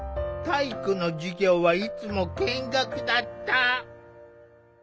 体育の授業はいつも見学だった。